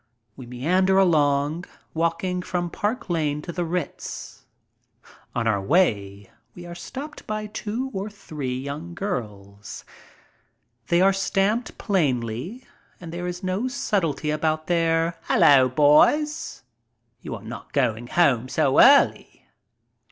We meander along, walking from Park Lane to the Ritz. On our way we are stopped by two or three young girls. They are stamped plainly and there is no subtlety about their "Hello boys! You are not going home so early?"